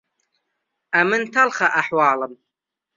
ئەمن تەڵخە ئەحوالم